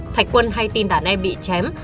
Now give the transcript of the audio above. thạch quân hay tin đàn em bị chém